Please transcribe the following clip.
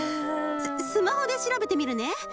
スマホで調べてみるね。